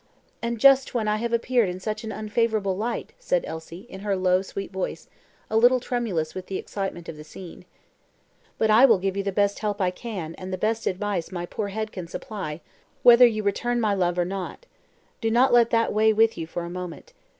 "And just when I have appeared in such an unfavourable light," said Elsie, in her low, sweet voice, a little tremulous with the excitement of the scene. "But I will give you the best help I can, and the best advice my poor head can supply, whether you return my love or not. Do not let that weigh with you for a moment.